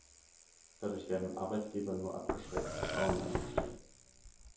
Dadurch werden Arbeitgeber nur abgeschreckt, Frauen einzustellen.